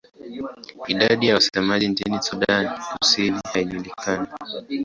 Idadi ya wasemaji nchini Sudan Kusini haijulikani.